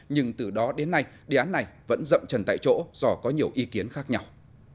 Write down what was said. nhưng từ đó đến nay đề án này vẫn rậm trần tại chỗ do có nhiều ý kiến khác nhau